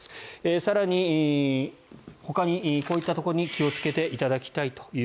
更に、ほかにこういったところに気をつけていただきたいと。